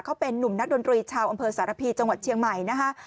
เขาเป็นนุ่มนักดนตรีชาวอำเภอสารพีจังหวัดเชียงใหม่นะคะ